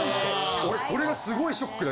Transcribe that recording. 俺それがすごいショックで。